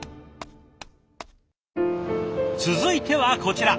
続いてはこちら。